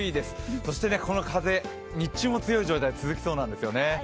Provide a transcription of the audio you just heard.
そして、この風、日中も強い状態、続きそうなんですよね。